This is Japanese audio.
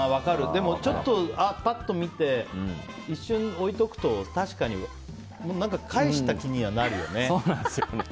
でも、パッと見て一瞬、置いておくと確かに返した気にはなるよね。